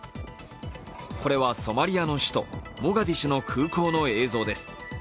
これはソマリアの首都モガディシュの空港の映像です。